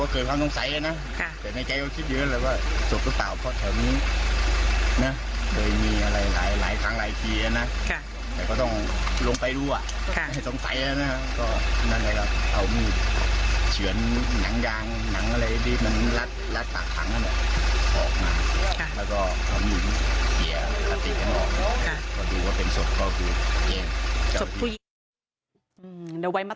ส่วนต้องไปนะครับก็นั่นแหละครับเอามืดเฉือนหนังยางหนังอะไรที่มันรัดตากผังอันนี้ออกมา